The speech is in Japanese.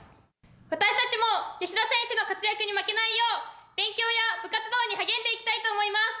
私たちも吉田選手の活躍に負けないよう勉強や部活動に励んでいきたいと思います。